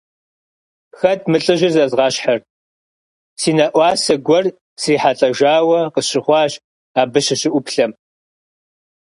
Хэт мы лӀыжьыр зэзгъэщхьыр – си нэӀуасэ гуэр срихьэлӀэжауэ къысщыхъуащ, абы сыщыӀуплъэм.